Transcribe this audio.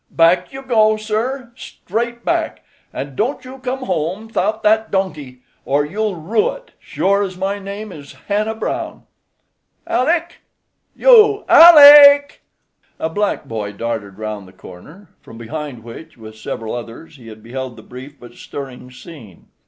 Back you go, sir—straight back; an' don't you come home 'thout that donkey, or you'll rue it, sure as my name is Hannah Brown. Aleck!—you Aleck k k!" A black boy darted round the corner, from behind which, with several others, he had beheld the brief but stirring scene.